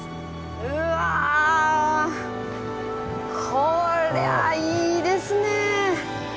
うわこれはいいですね。